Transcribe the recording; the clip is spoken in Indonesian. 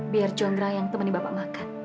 biar jondra yang temennya bapak makan